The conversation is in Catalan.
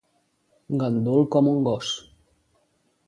Gandul com un gos.